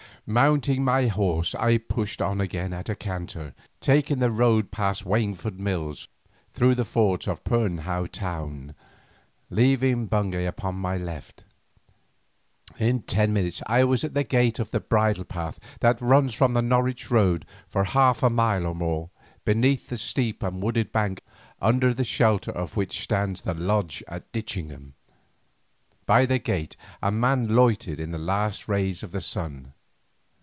Mounting my horse I pushed on again at a canter, taking the road past Waingford Mills through the fords and Pirnhow town, leaving Bungay upon my left. In ten minutes I was at the gate of the bridle path that runs from the Norwich road for half a mile or more beneath the steep and wooded bank under the shelter of which stands the Lodge at Ditchingham. By the gate a man loitered in the last rays of the sun.